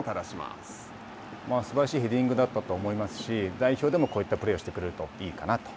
すばらしいヘディングだったと思いますし、代表でも、こういったプレーをしてくれるといいかなと。